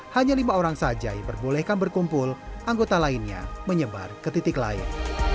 hanya lima orang saja yang diperbolehkan berkumpul anggota lainnya menyebar ke titik lain